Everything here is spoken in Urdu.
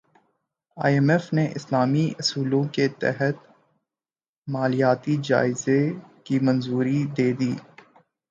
ائی ایم ایف نے اسلامی اصولوں کے تحت مالیاتی جائزے کی منظوری دے دی